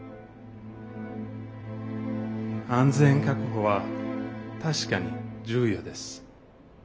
安全確保は確かに重要です。